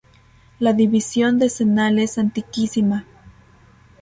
La división decenal es antiquísima.